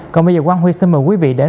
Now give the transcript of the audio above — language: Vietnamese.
còn bây giờ quang huy xin mời quý vị đến